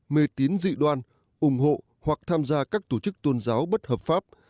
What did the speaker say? mê tín dị đoan ủng hộ hoặc tham gia các tổ chức tôn giáo bất hợp pháp